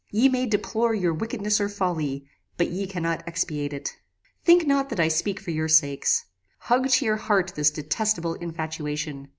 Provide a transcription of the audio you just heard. Ye may deplore your wickedness or folly, but ye cannot expiate it. "Think not that I speak for your sakes. Hug to your hearts this detestable infatuation.